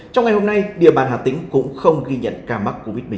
trong ngày hôm nay địa bàn hà tĩnh cũng không ghi nhận ca mắc covid một mươi chín